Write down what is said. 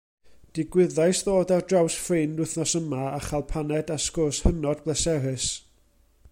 Digwyddais ddod ar draws ffrind wythnos yma a chael paned a sgwrs hynod bleserus.